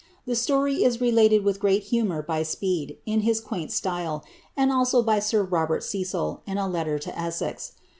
The storj is related with gr o{ gre BLIZADSTH. 157 or by Speed, in his quaint style, and also by sir Robert Cecil,' in a tr to Enex.